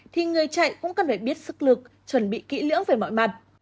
thì người chạy cũng cần phải biết sức lực chuẩn bị kỹ lưỡng về mọi mặt